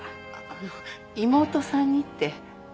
あの妹さんにって？